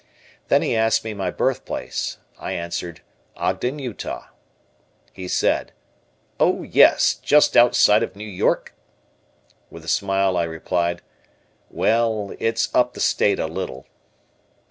Then he asked me my birthplace. I answered, "Ogden, Utah." He said, "Oh yes, just outside of New York?" With a smile, I replied, "Well, it's up the State a little."